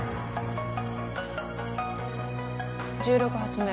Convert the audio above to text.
１６発目。